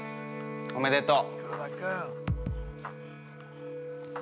おめでとう。